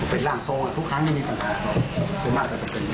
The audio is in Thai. เป็นร่างทรงทุกครั้งไม่มีปัญหา